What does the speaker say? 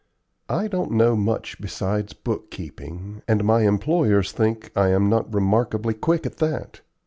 I don't know much besides bookkeeping, and my employers think I am not remarkably quick at that.